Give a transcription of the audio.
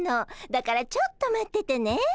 だからちょっと待っててね。